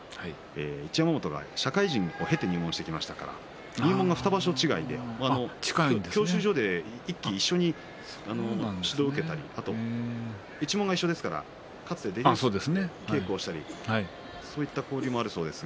一山本が社会人を経て入門してきましたので入門は２場所違いで教習所で一緒に指導を受けたり一門が一緒ですからかつて稽古をしたりそういった交流があるそうです。